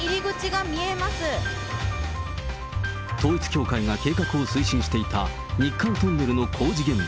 統一教会が計画を推進していた日韓トンネルの工事現場。